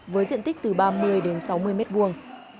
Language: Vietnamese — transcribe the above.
với diện tích từ ba mươi đến sáu mươi mét vuông